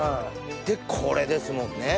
でこれですもんね。